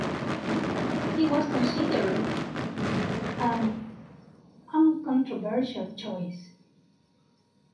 He was considered an uncontroversial choice.